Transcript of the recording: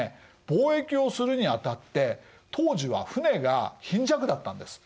貿易をするにあたって当時は船が貧弱だったんです。